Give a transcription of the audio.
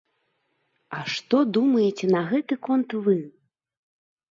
А што думаеце на гэты конт вы?